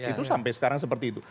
itu sampai sekarang seperti itu